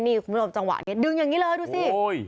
นี่คุณผู้โบราณจังหวะดึงอย่างนี้เลยดูสิ